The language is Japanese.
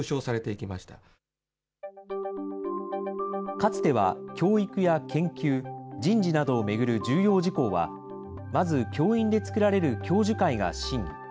かつては教育や研究、人事などを巡る重要事項は、まず、教員で作られる教授会が審議。